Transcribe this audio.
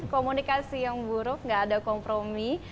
komunikasi yang buruk gak ada kompromi